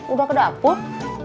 udah ke dapur